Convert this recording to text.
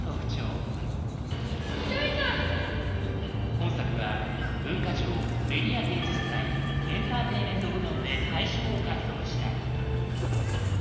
本作は文化庁メディア芸術祭エンターテインメント部門で大賞を獲得した。